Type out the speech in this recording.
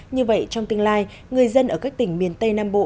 như vậy trong tương lai người dân ở các tỉnh miền tây nam bộ